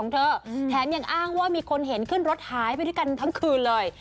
เธอแถมยังอ้างว่ามีคนเห็นขึ้นรถหายไปด้วยกันทั้งคืนเลย